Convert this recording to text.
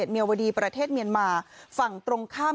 กลุ่มน้ำเบิร์ดเข้ามาร้านแล้ว